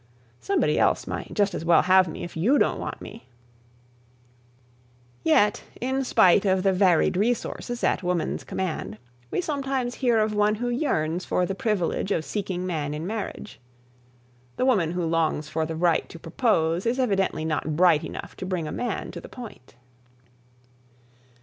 Somebody else might just as well have me, if you don't want me." [Sidenote: In Spite of Varied Resources] Yet in spite of the varied resources at woman's command, we sometimes hear of one who yearns for the privilege of seeking man in marriage. The woman who longs for the right to propose is evidently not bright enough to bring a man to the point.